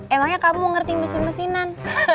emangnya kamu ngerti mesin mesinan